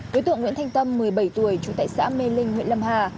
đối tượng nguyễn thanh tâm một mươi bảy tuổi trú tại xã mê linh huyện lâm hà